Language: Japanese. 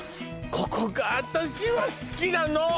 ここが私は好きなの！